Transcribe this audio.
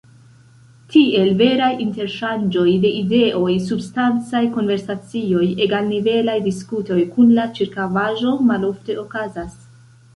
Tiel veraj interŝanĝoj de ideoj, substancaj konversacioj, egalnivelaj diskutoj kun la ĉirkaŭaĵo malofte okazas.